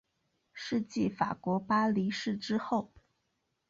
是继法国巴黎市之后。